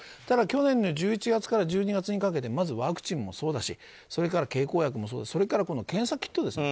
ただ去年の１１月から１２月にかけてまずワクチンもそうだしそれから経口薬もそうだしそれから検査キット。